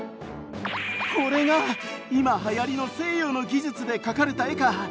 これが今はやりの西洋の技術で描かれた絵か！